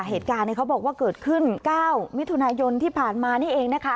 เหตุการณ์เขาบอกว่าเกิดขึ้น๙มิถุนายนที่ผ่านมานี่เองนะคะ